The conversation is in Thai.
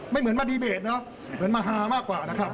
เหมือนมาดีเบตเนอะเหมือนมาฮามากกว่านะครับ